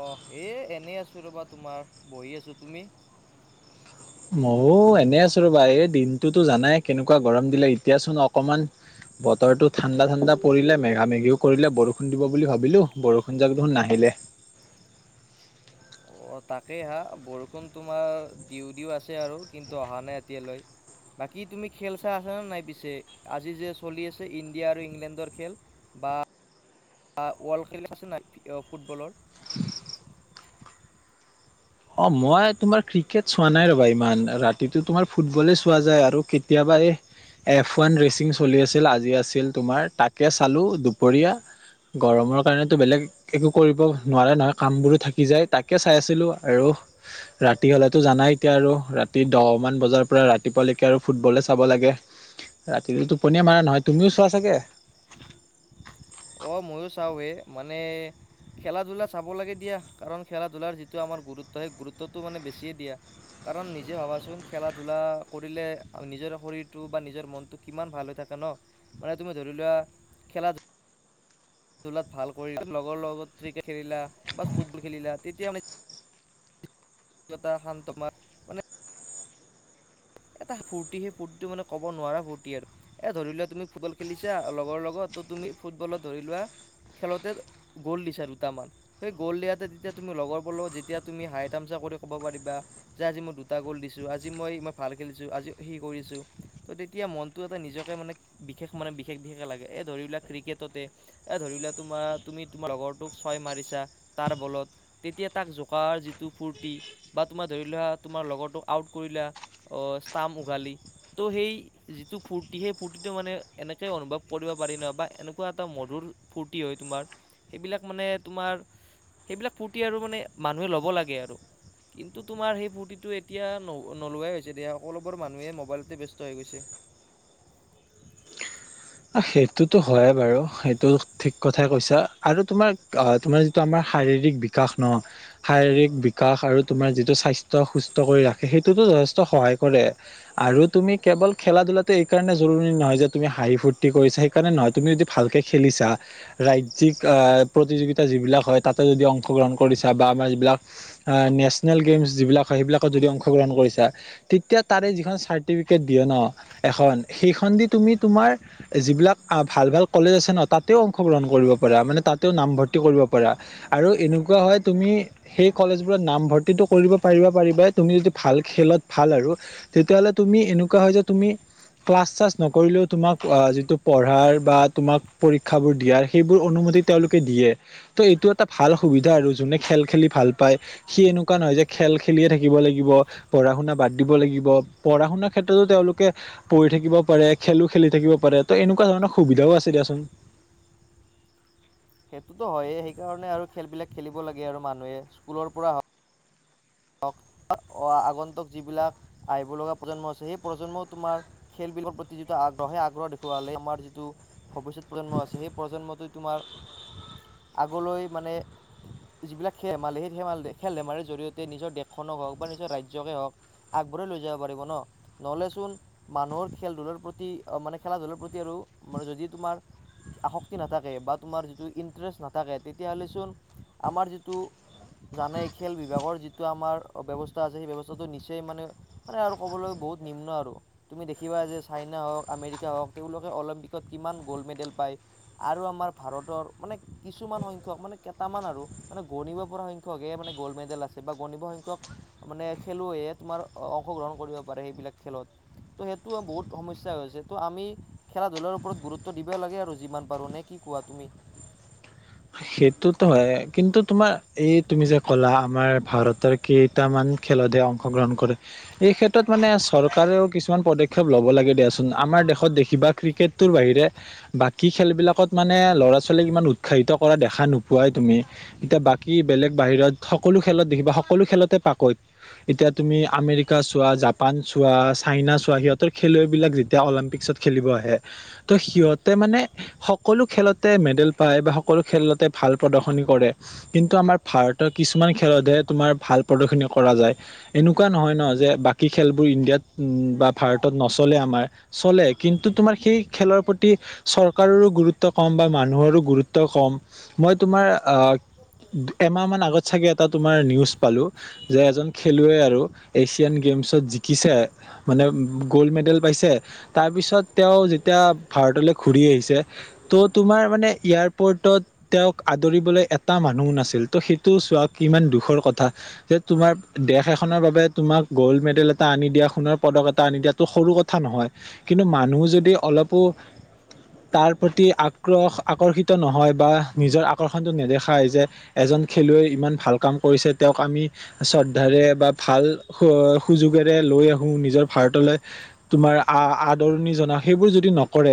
অ এ এনেই আছো ৰবা তোমাৰ বহি আছো তুমি ময় এনে আছো ৰ'বা এই দিনটোতো জানাই কেনেকুৱা গৰম দিলে এতিয়াচোন অকমান বতৰটো ঠাণ্ডা ঠাণ্ডা পৰিলে মেগা মেগিও কৰিলে বৰষুণ দিব বুলি ভাবিলো বৰষুণ যাক দেখোন নাহিলে লে [inaudible] অ তাকেই হা বৰষুণ তোমাৰ দিউ দিও আছে আৰু কিন্তু অহা নাই এতিয়ালৈ বাকী তুমি খেল চাই আছানে নাই পিছে আজি যে চলি আছে ইণ্ডিয়া আৰু ইংলেণ্ডৰ খেল বা ৱৰ্ল্ড খেলচাইচ নাই ফুটবলৰ [inaudible] অ মই তোমাৰ ক্ৰিকেট চোৱা নাই ৰবা ইমান ৰাতিটো তোমাৰ ফুটবলে চোৱা যায় আৰু কেতিয়াবা পায়ে [inaudible] এফ ওৱান ৰেচিং চলি আছিল আজি আছিল তোমাৰ তাকে চালো দুপৰীয়া গৰমৰ কাৰণেতো বেলেগ একো কৰিব নোৱাৰে নহয় কাম বোৰো থাকি যায় তাকে চাই আছিলো আৰু ৰাতি হ'লেতো জানাই এতিয়া আৰু ৰাতি দহ মান বজাৰ পৰা ৰাতিপুৱালৈকে আৰু ফুটবলে চাব লাগে [unintelligible] ৰাতি টোপনীয়ে মৰা নহয় তুমিও চোৱা চাগে অ ময়ো চাও এ মানে খেলা ধূলা চাব লাগে দিয়া কাৰণ খেলা ধূলাৰ যিটো আমাৰ গুৰুত্ব সেই গুৰুত্বটো মানে বেছিয়ে দিয়া [unintelligible] কাৰণ নিজে ভাবাচোন খেলা ধূলা কৰিলে নিজৰ শৰীৰটো বা নিজৰ মনতটো কিমান ভাল হৈ থাকে ন মানে তুমি ধৰি লোৱা খেলা ধোলা? দোলাত ভাল কৰি লগৰ লগত ক্ৰিকেট খেলিলা বা ফুটবল খেলিলা তেতিয়া মানে। [unintelligible] অগ্যতা [unintelligible] হান তোমাৰ মানে। এটা ফূৰ্তি সেই ফূৰ্তিটো মানে কব নোৱাৰা ফূৰ্তি আৰু এ ধৰি লোৱা তুমি ফুটবল খেলিছা লগৰ লগত। ত তুমি ফুটবলত ধৰি লোৱা? খেলতে গ'ল দিছা দুটামান সেই গ'ল দিয়াতে তেতিয়া তুমি লগৰব লগত যেতিয়া তুমি হাই। ক'ব পাৰিবা যে আজি মই দুটা গ'ল দিছো আজি মই। ভাল খেলিছোঁ আজি সেই কৰিছোঁ তো তেতিয়া মনটো এটা নিজকে মানে বিশেষ মানে বিশেষ বিশেষে লাগে। এই ধৰিলোৱা ক্ৰিকেটতে এই ধৰিলোৱা তোমাৰ তুমি তোমাৰ লগৰটোক ছয় মাৰিছা তাৰ বলত। তেতিয়া তাক জোকাৰ যিটো ফূৰ্তি বা তোমাৰ ধৰি লোৱা তোমাৰ লগৰটোক আউট কৰিলা। অ ষ্টাম উঘালি ত' সেই যিটো ফূৰ্তি সেই ফূৰ্তিটো মানে এনেকে অনুভৱ কৰি। ফোৰিব পাৰি বা এনেকোৱা এটা মধুৰ ফূতি হয় তোমাৰ। [unintelligible] সেইবিলাক মানে তোমাৰ সেইবিলাক ফূৰ্তি আৰু মানে মানুহে ল'ব লাগে আৰু। কিন্তু তোমাৰ সেই ফূৰ্তিটো এতিয়া নহয়। নোলোৱাই হৈছে এয়া সকলোবোৰ মানুহে মোবাইলতে ব্যস্ত হৈ গৈছে। [unintelligible] সেইটোতো হয়য়ে বাৰু সেইটো ঠিক কথাই কৈছা আৰু তোমাৰ অ তোমাৰ যিটো আমাৰ শাৰীৰিক। বিকাশ ন শাৰীৰিক বিকাশ আৰু তোমাৰ যিটো স্বাস্থ্য সুস্থ কৰি ৰাখে সেইটোতো যথে। সহায় কৰে আৰু তুমি কেৱল খেলা ধূলা এই কাৰণে জৰুৰী নহয় যে তুমি হাঁহি ফুৰটি। কৰিছা সেইকাৰণে নহয় তুমি যদি ভালকে খেলিছা ৰাজ্যিক আহ প্ৰতিযোগিতা যিবিলাক হয় তাতে। যদি অংশগ্ৰহণ কৰিছা বা আমাৰ যিবিলাক নেচনেল গেমছ যিবিলাক হয় সেইবিলাকত যদি অংশগ্ৰহণ কৰিছা। তেতিয়া তাৰে যিখন চাৰ্টিফিকেট দিয়ে ন এখন সেইখন দি তুমি তোমাৰ। যিবিলাক ভাল ভাল কলেজ আছে ন তাতেও অংশগ্ৰহণ কৰিব পাৰা মানে তাতেও নামভৰ্তি কৰিব পাৰা। আৰু এনেকুৱা হয় তুমি সেই কলেজ বোৰত নামভৰ্তিটো কৰিব পাৰিবা পাৰিবাই তুমি যদি ভাল। খেলত ভাল আৰু তেতিয়া হ'লে তুমি ক্লাচ চালাচ [unintelligible] নকৰিলেও তোমাক। অ যিটো পঢ়াৰ বা তোমাক পৰীক্ষাবোৰ দিয়াৰ সেইবোৰ অনুমতি তেওঁলোকে দিয়ে ত'। [unintelligible] এইটো এটা ভাল সুবিধা আৰু যোনে খেল খেলি ভাল পায় সি এনেকুৱা নহয় যে খেল খেলিয়ে থাকিব লাগিব। পঢ়া শুনা বাদ দিব লাগিব পঢ়া শুনাৰ ক্ষেত্ৰতো তেওঁলোকে পঢ়ি থাকিব পাৰে খেলো খেলি। থাকিব পাৰে ত এনেকুৱা ধৰণৰ সুবিধাও আছে দিয়াচোন। সেইটোতো হয়েই সেইকাৰণে আৰু খেলবিলাক খেলিব লাগে আৰু মানুহে স্কুলৰ পৰা হ। অ আগন্তক যিবিলাক আহিব লগা প্ৰজন্ম আছে সেই প্ৰজন্মও তোমাৰ খেল। বিল প্ৰতি যিটো আগ্ৰহে আগ্ৰ দেখুৱালে আমাৰ যিটো ভৱিষ্যত প্ৰজন্ম আছে সেই প্ৰজন্মটোত? [unintelligible] তোমাৰ আগলৈ মানে যিবিলাক খেল ধেমালি সেই মানে [unintelligible] খেল ধেমালিৰ জৰিয়তে। নিজৰ দেশখনক হওক বা নিজৰ ৰাজ্যকে হওক আগবাঢ়াই লৈ যাব পাৰিব ন নলেচোন মানুহ। খেল ধূলৰ প্ৰতি মানে খেলা ধূলৰ প্ৰতি আৰু মানে যদি তোমাৰ। আসক্তি নাথাকে বা তোমাৰ যিটো ইণ্টাৰেষ্ট নাথাকে তেতিয়াহ'লেচোন আমাৰ যিটো। জানে খেল বিভাগৰ যিটো। আমাৰ ব্যৱস্থা আছে সেই ব্যৱস্থাটো নিচেই মানে মানে আৰু ক'বলৈ বহুত নিম্ন আৰু তুমি দেখিবা। [unintelligible] চাইনা হওক আমেৰিকা হওক তেওঁলোকে অলিম্পিকত কিমান গ'ল্ড মেডেল পায় আৰু আমাৰ ভাৰতৰ। [unintelligible] মানে কিছুমান সংখ্যক মানে কেইটামান আৰু মানে গণিব পৰা সংক মানে গ'ল্ড মেডেল আছে। [unintelligible] বা বহুত সংংখ্যক মানে খেলুৱৈ তোমাৰ অংশগ্ৰহণ কৰিব পাৰে সেইবিলাক খেলত। [unintelligible] ত' সেইটো বহুত সমস্যা হৈছে ত' আমি খেলা ধূলাৰ ওপৰত গুৰুত্ব দিবই লাগে আৰু যিমান পাৰো নে কি। [unintelligible] কোৱা তুমি। [unintelligible] সেইটোতো হয় কিন্তু তোমাৰ এই তুমি যে ক'লা আমাৰ ভাৰতৰ কেইটামান ক্ষে খেলতে অংশগ্ৰহণ কৰে, এই ক্ষেত্ৰত মানে চৰকাৰেও কিছুমান পদক্ষেপ লব লাগে দিয়াচোন আমাৰ দেশত দেখিবা ক্ৰিকেটটোৰ বাহিৰে বাকী খেলবিলাকত মানে ল'ৰা -ছোৱালীক ইমান উৎসাহিত কৰা দেখা নোপোৱাই তুমি, এতিয়া বাকী বেলেগ বাহিৰত সকলো খেলত দেখিবা সকলো খেলতে পাকৈত। এতিয়া তুমি আমেৰিকা চোৱা, জাপান চোৱা, চাইনা চোৱা সিহঁতৰ খেলুৱৈবিলাক যেতিয়া অলিম্পিক খেলিব আহে, ত' সিহতে মানে সকলো খেলতে মেডেল পায় বা স কলো খেলতে ভাল প্ৰদৰ্শনী কৰে, কিন্তু আমাৰ ভাৰতৰ কিছুমান খেলতহে তোমাৰ ভাল প্ৰদৰ্শনী কৰা যায়, এনেকুৱা নহয় ন যে বাকি খেলবোৰ ইণ্ডিয়াত উম বা ভাৰতত নচলে আমাৰ চলে কিন্তু তোমাৰ সেই খেলৰ প্ৰতি চৰকাৰৰো গুৰুত্ব কম বা মানুহৰো গুৰু ত কম, মই তোমাৰ আহ এমাহ মান আগত চাগে এটা তোমাৰ নিউজ পালো যে এজন খেলুৱৈ আৰু এছিয়ান গে এমচত জিকিছে, মানে গ'ল্ড মেডেল পাইছে, তাৰপিছত তেওঁ যেতিয়া ভাৰ লৈ ঘূৰি আহিছে, ত তোমাৰ মানে ইয়াৰ পৰ্টত তেওঁক আদৰিবলৈ এটা মানুহ নাছিল, ত' সেইটো চোৱা ইমান দুখৰ কথা তোমাৰ দেশ এখনৰ বাবে তোমাক গ'ল্ড মেডেল এটা আনি দিয়া সোণৰ পদক এটা আনি দিয়াটো সৰু কথা ন হয় কিন্তু মানুহ যদি অলপো, তাৰ প্ৰতি আগ্ৰহ আকৰ্ষি ত নহয় বা নিজৰ আকৰ্ষণটো নেদেখাই যে এজন খেলুৱৈ ইমান ভাল কাম কৰিছে, তেওঁক আমি শ্ৰদ্ধাৰে বা ভাল সু -সুযোগেৰে লৈ আহো নিজৰ ভাৰতলৈ। তোমা আ আদৰণি জনোৱা সেইবোৰ যদি নকৰে,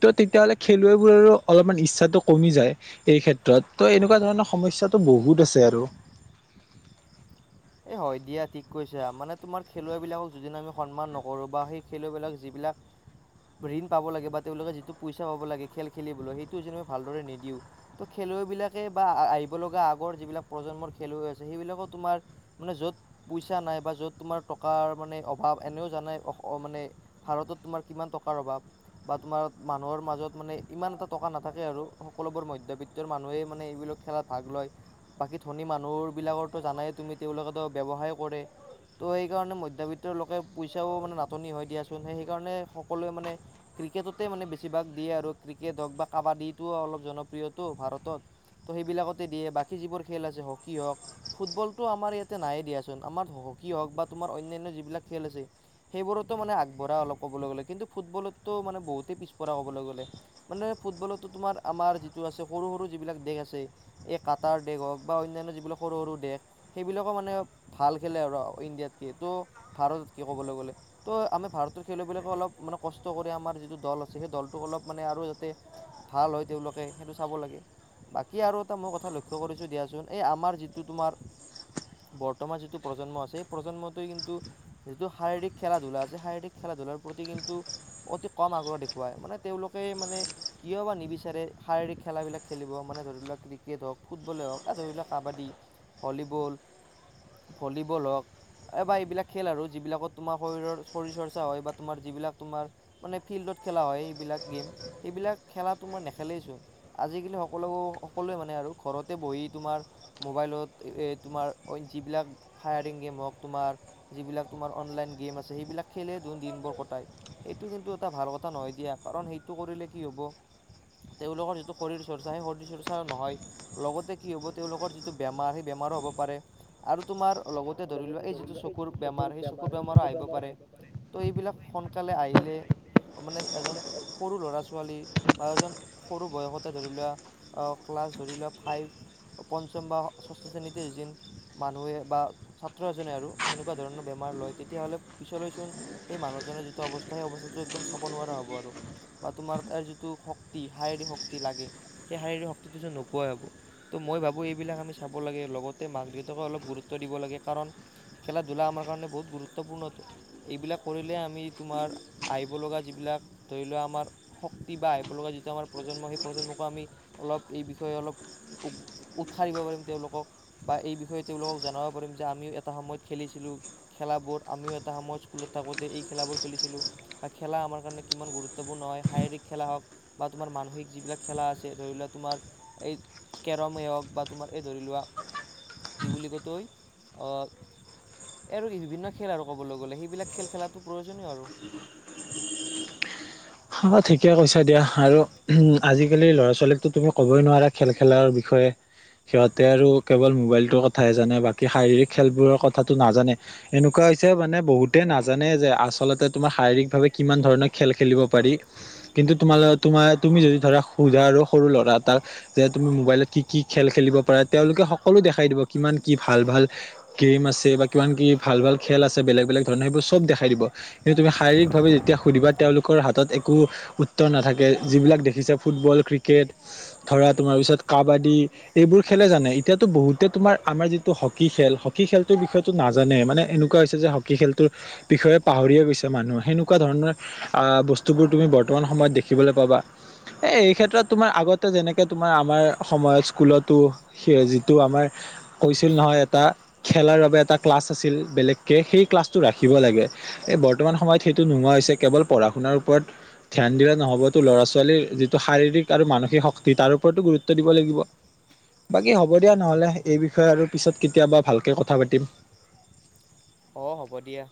ত তেতিয়াহলে খেলুৱৈবোৰৰো অলপমান ইচ্ছা ত কমি যায়, এই ক্ষেত্ৰত ত' এনেকুৱা ধৰণৰ সমস্যাটো বহুত আছে আৰু। [inaudible] এ হয় দিয়া ঠিক কৈছা মানে তোমাৰ খেলুৱৈ বিলাকক যদি আমি সন্মান নকৰো বা সেই খেলুৱৈ বিলাক যিবিলাক [inaudible] ঋণ পাব লাগে বা তেওঁলোকে যিটো পইচা পাব লাগে খেল খেলিবলৈ সেইটো যেনেবা ভালদৰে নিদিওঁ, ত' খে খেলুৱৈবিলাকে বা আ আহিব লগা আগৰ যিবিলাক প্ৰজন্মৰ খেলুৱৈ আছে, সেইবিলাকো তোমাৰ মানে য'ত পইচা নাই বা য'ত তোমাৰ টকাৰ মানে অভাৱ এনেও জানাই অ মানে ভাৰতত তোমাৰ কিমান টকাৰ অভাৱ। বা তোমাৰ মানুহৰ মাজত মানে ইমান এটা টকা নাথাকে আৰু, সকলোবোৰ মধ্যবিত্তৰ মানুহে মানে এইবিল খেলাত ভাগ লয়, বাকি ধনী মানুহবিলাকৰটো জানাই তুমি তেওঁলোকেতো ব্যৱসায় কৰে। ত' সেইকাৰণে মধ্যবিত্তৰ লোকে পইচাও মানে নাটনি হয় দিয়াচোন, সেইকাৰণে সকলোৱে মানে ক্ৰিকেটতে মানে বেছিভাগ দিয়ে আৰু ক্ৰিকেট হওক বা কাবাডীটো অলপ জনপ্ৰিয়তটো ভাৰতত। ত' সেইবিলাকতে দিয়ে, বাকী যিবোৰ খেল আছে হকী হওক, ফুটবল টো আমাৰ ইয়াতে নাই দিয়াচোন, আমাৰ হকী হওক বা তোমাৰ অন্যান্য যিবিলাক খেল আছে, সেইবোৰতো মানে আগ বঢ়া আৰু কবলৈ গলে, কিন্তু ফুটবলটো বহুতো পিছপৰা কবলৈ গলে, মানে ফুটবলটো তোমাৰ আমাৰ যিটো আছে সৰু -সৰু যিবিলাক দেশ আছে, এই কাটাৰ দেশ হওক বা অন্যন্য যিবিলাক সৰু -সৰু দেশ সেইবিলাকো মানে ভাল খেলে আৰু ইণ্ডিয়াত কে ত' ভাৰতত কে ক'বলৈ গলে ত' আমি ভাৰতৰ খেলুৱৈ বিলাকে অলপ মানে কষ্ট কৰি আমাৰ যিটো দল আছে, সেই দলটোক অলপ মানে আৰু যাতে ভাল হয় তেওঁলোকে সেইটো চাব লাগে, বাকী আৰু এটা মই কথা লক্ষ্য কৰিছো দিয়াচোন এই আমাৰ যিটো তোমাৰ [inaudible] বৰ্তমান যিটো প্ৰজন্ম আছে, এই প্ৰজন্মটোৱে কিন্তু যিটো শাৰীৰিক খেলা ধূলা আছে, শাৰীৰিক খেলা ধূলাৰ প্ৰতি কিন্তু অতি কম আগ্ৰহ দেখুৱাই, মানে তেওঁলোকে মানে কিয় বা নিবিচাৰে শাৰীৰিক খেলাবিলাক খেলিব, মানে ধৰি লোৱা ক্ৰিকেট হওক, ফুটবলে হওক আৰু ধৰি লোৱা কাবাডী ভলীবল, ভলীবল হওক। এইবা এইবিলাক খেল আৰু যিবিলাকত তোমাৰ শৰীৰৰ শৰীৰ চৰ্চা হয় বা তোমাৰ যিবিলাক তোমাৰ মানে ফিল্ডত খেলা হয় সেইবিলাক গেম, সেইবিলাক খেলাটো তোমাৰ নেখেলেইচোন, আজিকালি সকলো- সকলোৱে মানে আৰু ঘৰতে বহি তোমাৰ মোবাইলত এ তোমাৰ যিবিলাক ফায়াৰিং গেম হওক, তোমাৰ যিবিলাক তোমাৰ অনলাইন গেম আছে, সেইবিল খেলে দিনবোৰ কটাই, সেইটো কিন্তু এটা ভাল কথা নহয় দিয়া, কাৰণ সেইটো কৰিলে কি হ'ব তেওঁলোকৰ যিটো শৰীৰ চৰ্চা সেই শৰীৰ চৰ্চা নহয় লগতে কি হব তেওঁলোকৰ যিটো বেমাৰ সেই বেমাৰো হব পাৰে আৰু তোমাৰ লগত তে ধৰি লোৱা এই যিটো চকুৰ বেমাৰ সেই চকুৰ বেমাৰো আহিব পাৰে, তহ' এইবিলাক সোনকালে আহিলে মানে এজন সৰু ল'ৰা ছোৱালী বা এজন সৰু বয়সতে ধৰি লোৱা আহ ক্লাছ ধৰি লোৱা ফাইভ পঞ্চম বা ষষ্ঠ শ্ৰেণীতে হৈছিল, মানুহে বা ছাত্ৰ এজনে আৰু সেনেকোৱা ধৰণৰ বেমাৰ লয় তেতিয়াহলে পিছলৈ চোন সেই মানুহজনৰ যিটো অৱস্থা সেই অৱস্থাটো একদম চাব নোৱাৰা হ'ব আৰু, বা তোমাৰ তাৰ যিটো শক্তি শাৰীৰিক শক্তি লাগে। সেই শাৰীৰিক শক্তিটো চোন নোপাৱাই হ'ব। ত মই ভাবো এইবিলাক আমি চাব লাগে লগতে মাক দেউতাকে অলপ গুৰুত্ব দিব লাগে কাৰণ খেলা ধূলা আমাৰ কাৰণে বহুত গুৰুত্বপূৰ্ণ। এইবিলাক কৰিলে আমি তোমাৰ আহিব লগা যিবিলাক ধৰি লোৱা আমাৰ শক্তি বা আহিব লগা যিটো আমাৰ প্ৰজন্ম। সেই প্ৰজন্মকো আমি অলপ এই বিষয়ে অলপ উগ উৎসাহ দিব পাৰিম। তেওঁলোকক বা এই বিষয়ে তেওঁলোকক জনাব পাৰিম যে আমিও এটা সময়ত খেলিছিলোঁ। খেলাবোৰ আমিও এটা এটা সময় স্কুলত থাকোতে এই খেলাবোৰ খেলিছিলো বা খেলা আমাৰ কাৰণে কিমান গুৰুত্বপূৰ্ণ হয়। শাৰীৰিক খেলা হওক বা তোমাৰ মানসিক যিবিলাক খেলা আছে ধৰি লোৱা তোমাৰ এই কেৰমেই হওক বা তোমাৰ এই ধৰি লোৱা কি বুলি ক' তই? আৰু বিভিন্ন খেল আৰু ক'বলৈ গলে, সেইবিলাক খেল খেলাটো প্ৰয়োজনীয় আৰু। অ ঠিকে কৈছা দিয়া আৰু আজিকালি ল'ৰা ছোৱালীকতো তুমি ক'বই নোৱাৰা খেল খেলাৰ বিষ য়ে। সিহঁতে আৰু কেৱল মোবাইলটোৰ কথা হে জানে। বাকী শাৰীৰিক খেলবোৰৰ কথাটো নাজানে। এনেকোৱা পাইছে মানে বহুতে নাজানে যে আচলতে তোমাৰ শাৰীৰিক ভাৱে কিমান ধৰণৰ খেল খেলিব পাৰি। কিন্তু তোমা লগত তোমাৰ তুমি যদি ধৰা হুজা আৰু লৰা এটাক যে তুমি মোবাইলত কি কি খেল খেলিব পাৰা, তেওঁলোকে সকলো দেখাই দিব কিমান কি ভাল ভাল গেম আছে বা কিমান কি ভাল ভাল খেল আছে বেলেগ বেলেগ ধৰণৰ সেবোৰ চব দেখাই দিব। কিন্তু তুমি শাৰীকভাৱে যেতিয়া সুধিবা তেওঁলোকৰ হাত ত একো উত্তৰ নাথাকে। যিবিলাক দেখিছে ফুটবল, ক্ৰিকেট ধৰা তোমাৰ পিছত কাবাডী এইবোৰ খেলে জানে। এতিয়াতো বহুতে তোমাৰ আমাৰ যিটো হকী খেল হকী খেলটোৰ বিষয়েটো নাজানে মানে এনেকোৱা হৈছে যে হকী খেল তো বিষয়ে পাহৰিয়ে গৈছে মানুহ। সেনেকোৱা ধৰণৰ আহ বস্তুবোৰ তুমি বৰ্তমান সময়ত দেখিবলৈ পাবা। এ এই ক্ষেত্ৰত তোমাৰ আগতে যেনেকে তোমাৰ আমাৰ সময়ত স্কুলতো যিটো আমাৰ কৈছিল নহয় এটা খেলা এটাৰ বাবে এটা ক্লাছ আছিল বেলেগকে সেই ক্লাছটো ৰাখিব লাগে। এ বৰ্তমান সময়ত সেইটো নোহোৱা হৈছে কেৱল পঢ়া শুনাৰ ওপৰত ধ্যান দিলে নহবতো ল'ৰা ছোৱালীৰ যিটো শাৰীৰিক আৰু মানসিক শক্তি তাৰ ওপৰতো গুৰুত্ব দিব লাগিব। বাকী হ'ব দিয়া নহ'লে এই বিষয়ে আৰু পিছত কেতিয়াবা ভালকে কথা পাতিম। অ হ'ব দিয়া।